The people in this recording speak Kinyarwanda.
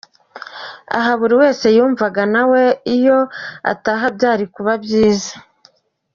Aha buri wese yumvaga nawe iyo ataha byari kuba byiza.